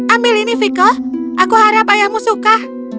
ambil ini vehicle aku harap ayahmu suka